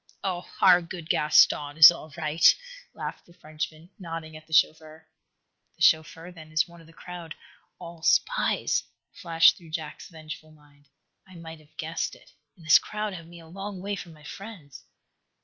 "Oh, our good Gaston is all right," laughed the Frenchman, nodding at the chauffeur. "The chauffeur, then, is one of the crowd all spies," flashed through Jack's vengeful mind. "I might have guessed it. And this crowd have me a long way from my friends."